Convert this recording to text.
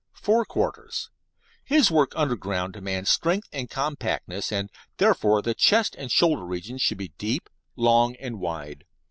FORE QUARTERS His work underground demands strength and compactness, and, therefore, the chest and shoulder regions should be deep, long, and wide.